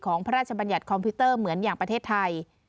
พระราชบัญญัติคอมพิวเตอร์เหมือนอย่างประเทศไทย